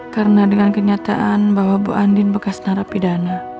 karena dengan kenyataan bahwa ibu andin bekas narapidana